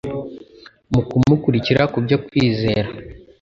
Mu kumukurikira kubwo kwizera,